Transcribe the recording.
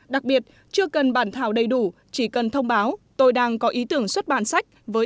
đặc biệt chưa cần bản thảo đầy đủ chỉ cần thông báo tôi đang có ý tưởng xuất bản sách với